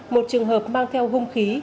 một trường hợp mang theo hung khí